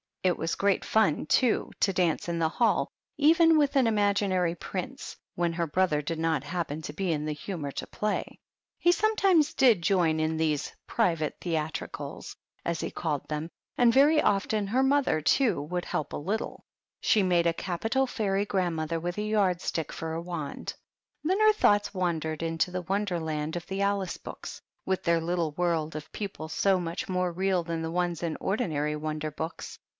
It was great fun, too, to dance in the hall, even with an imaginary prince, when her brother did not happen to be in the humor to play. 14 PEGGY THE PIG. He sometimes did join in these "private theat ricals," as he called them, and very often her mother, too, would help a little : she made a cap ital fairy grandmother, with a yardstick for a wand. Then her thoughts wandered into the Wonder land of the Alice books, with their little world of people so much more real than the ones in ordinary Wonder books.